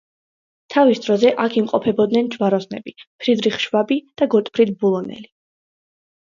თავის დროზე აქ იმყოფებოდნენ ჯვაროსნები ფრიდრიხ შვაბი და გოტფრიდ ბულონელი.